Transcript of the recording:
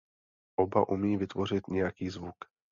Oba umí vytvořit nějaký zvuk.